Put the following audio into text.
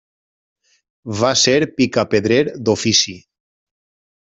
Va ser picapedrer d’ofici.